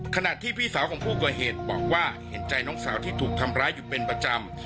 ขณะที่พี่สาวของผู้ก่อเหตุบอกว่าเห็นใจน้องสาวที่ถูกทำร้ายอยู่เป็นประจำ